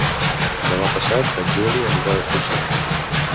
Demà passat en Juli anirà d'excursió.